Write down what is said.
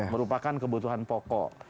merupakan kebutuhan pokok